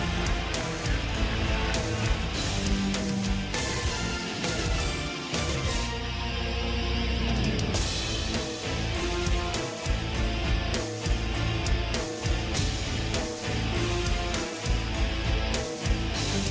นาฬิกา๓๔นาที